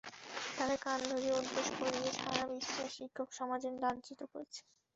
তাঁকে কান ধরিয়ে ওঠবস করিয়ে সারা বিশ্বের শিক্ষক সমাজকে লাঞ্ছিত করেছেন।